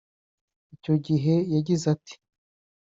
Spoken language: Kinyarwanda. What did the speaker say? Icyo gihe yagize ati